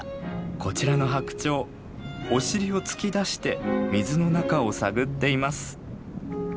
こちらのハクチョウお尻を突き出して水の中を探っています。